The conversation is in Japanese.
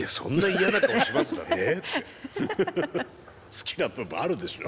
好きな部分あるでしょ。